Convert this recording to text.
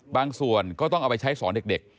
ส่วนตัวก็ต้องเอาไปใช้สอนเด็ก